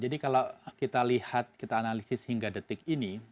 jadi kalau kita lihat kita analisis hingga detik ini